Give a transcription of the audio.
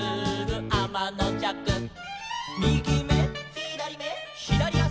「みぎめ」「ひだりめ」「ひだりあし」